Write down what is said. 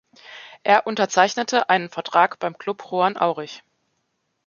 Er unterzeichnete einen Vertrag beim Club Juan Aurich.